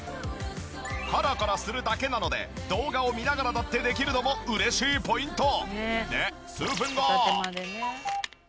コロコロするだけなので動画を見ながらだってできるのも嬉しいポイント。